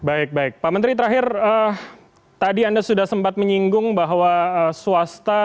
baik baik pak menteri terakhir tadi anda sudah sempat menyinggung bahwa swasta